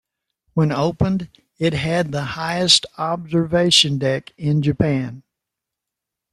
When opened, it had the highest observation deck in Japan.